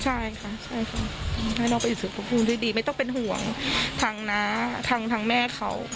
ใช่ค่ะใช่ค่ะให้น้องไปอยู่สุขภภูมิที่ดีไม่ต้องเป็นห่วงทางน้าทางแม่เขา